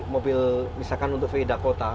mobil misalkan untuk vw dakota